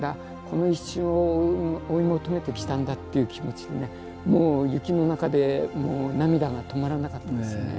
この一瞬を追い求めてきたんだっていう気持ちでねもう雪の中で涙が止まらなかったですね。